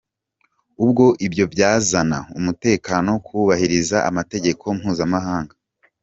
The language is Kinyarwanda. Ubwo ibyo byazana umutekano? Kubahiriza amategeko mpuzamahanga.